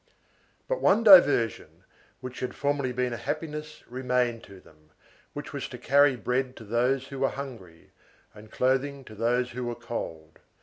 But one diversion, which had formerly been a happiness, remained to them, which was to carry bread to those who were hungry, and clothing to those who were cold.